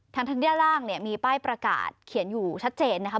ทางด้านล่างเนี่ยมีป้ายประกาศเขียนอยู่ชัดเจนนะคะ